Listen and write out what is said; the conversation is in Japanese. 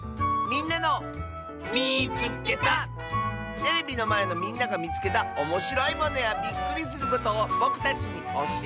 テレビのまえのみんながみつけたおもしろいものやびっくりすることをぼくたちにおしえてね！